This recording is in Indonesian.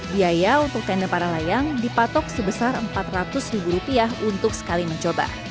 biaya untuk tenda para layang dipatok sebesar empat ratus ribu rupiah untuk sekali mencoba